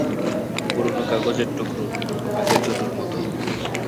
পুরোনো কাগজের টুকরো, আগের দুটোর মতো।